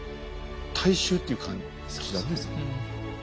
大衆っていう感じだね。